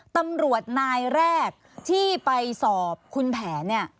ตำรวจนายแรกที่ไปสอบคุณแผนเนี่ย